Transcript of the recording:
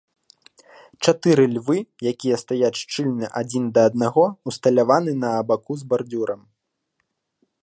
Чатыры львы, якія стаяць шчыльна адзін да аднаго, усталяваны на абаку з бардзюрам.